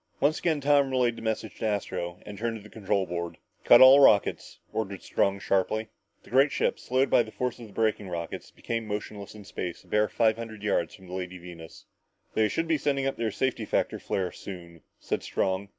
Once again Tom relayed the message to Astro and turned to the control board. "Cut all rockets!" ordered Strong sharply. The great ship, slowed by the force of the braking rockets, became motionless in space a bare five hundred yards from the Lady Venus. "They should be sending up their safety factor flare soon," said Strong.